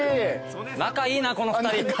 仲いいなこの２人。